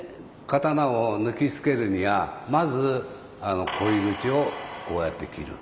刀を抜きつけるにはまず鯉口をこうやって切る。